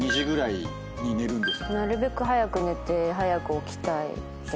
なるべく早く寝て早く起きたいですね。